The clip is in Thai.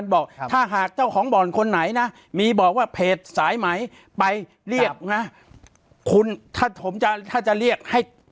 บอกว่าเภทสายไหมไปเรียกนะถ้าผมจะถ้าจะเรียกให้